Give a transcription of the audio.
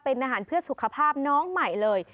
เป็นอาหารเพื่อสุขภาพน้องใหม่เลย